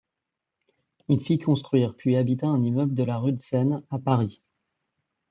Il fit construire puis habita un immeuble de la rue de Seine à Paris.